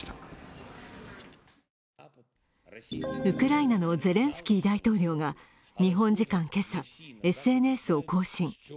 ウクライナのゼレンスキー大統領が日本時間今朝、ＳＮＳを更新。